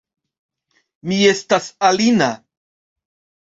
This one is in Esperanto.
Mi estas Alina